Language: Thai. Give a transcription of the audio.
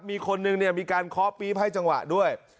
มีคนนึงเนี่ยมีการเคาะปี๊บให้จังหวะด้วย